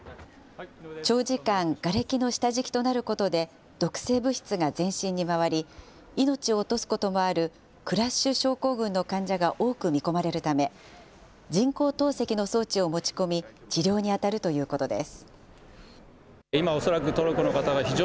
長時間、がれきの下敷きとなることで、毒性物質が全身に回り、命を落とすこともあるクラッシュ症候群の患者が多く見込まれるため、人工透析の装置を持ち込み、治療に当たるということです。